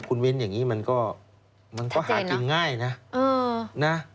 คุณวินอย่างนี้มันก็หาจริงง่ายนะ